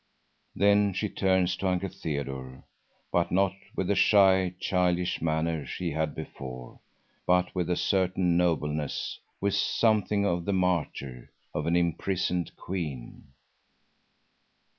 Then she turns to Uncle Theodore; but not with the shy, childish manner she had before, but with a certain nobleness, with something of the martyr, of an imprisoned queen.